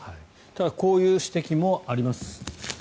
こういう指摘もあります。